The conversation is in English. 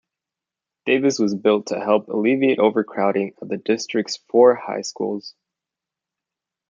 Davis was built to help alleviate overcrowding at the district's four high schools.